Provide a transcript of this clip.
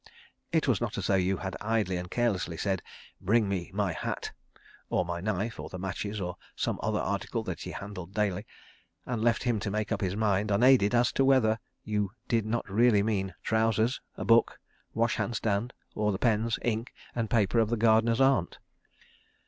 It was not as though you had idly and carelessly said: "Bring me my hat" (or my knife or the matches or some other article that he handled daily), and left him to make up his mind, unaided, as to whether you did not really mean trousers, a book, washhand stand, or the pens, ink, and paper of the gardener's aunt.